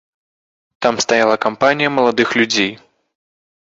Там стаяла кампанія маладых людзей.